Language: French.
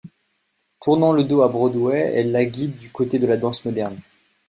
Tournant le dos à Broadway, elle la guide du côté de la danse moderne.